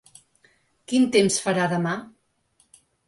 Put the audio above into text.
Quin temps farà demà?